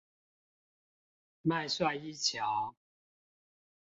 麥帥一橋